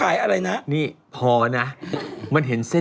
มันไม่ได้โฟกัสง่ายเลย